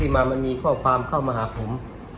มามีอีกคอบความเข้ามาหาผม